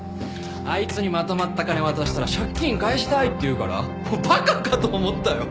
あいつにまとまった金渡したら「借金返したい」って言うから馬鹿かと思ったよ。